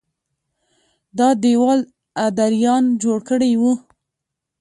دا دېوال ادریان جوړ کړی و